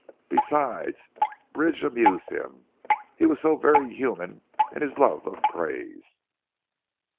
Besides, Bridge amused him. He was so very human in his love of praise.